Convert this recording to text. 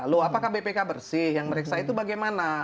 loh apakah bpk bersih yang meriksa itu bagaimana